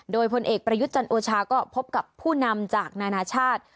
โดยพลเอกประยุทธ์จันโอชาก็พบกับผู้นำจากนานาชาติ